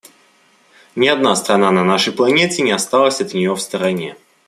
Ни одна страна на нашей планете не осталась от нее в стороне.